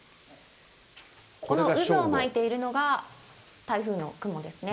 この渦を巻いているのが台風の雲ですね。